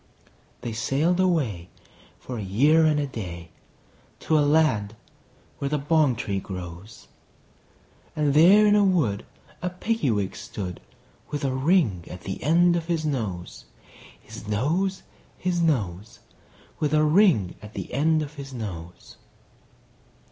They sailed away, for a year and a day, To the land where the bong tree grows; And there in a wood a Piggy wig stood, With a ring at the end of his nose, His nose, His nose, With a ring at the end of his nose.